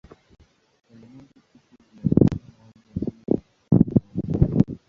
Elementi tupu ina aina moja tu ya atomi ndani yake.